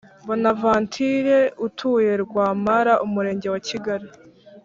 Bonaventure utuye Rwampara Umurenge wa kigali